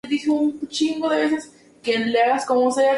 La sede del condado es Darien.